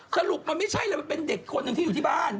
จะลุกมันไม่ใช่เลยเป็นเด็กคนที่อยู่ที่บ้าน